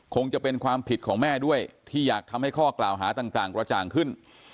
คงจะเป็นความผิดของแม่ด้วยที่อยากทำให้ข้อกล่าวหาต่างกระจ่างขึ้น